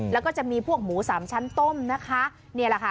แล้วก็จะมีพวกหมูสามชั้นต้มนะคะ